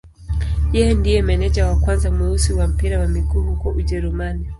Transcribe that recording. Yeye ndiye meneja wa kwanza mweusi wa mpira wa miguu huko Ujerumani.